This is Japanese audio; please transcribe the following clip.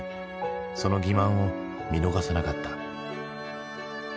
その欺まんを見逃さなかった。